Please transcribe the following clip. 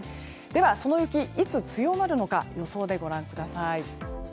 その雪、いつ強まるのか予想でご覧ください。